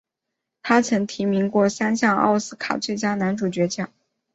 他曾提名过三项奥斯卡最佳男主角奖。